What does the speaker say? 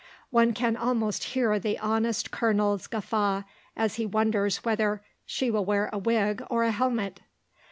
One can almost hear the honest Colonel's guffaw as he wonders whether "she will wear a wig or a helmet?"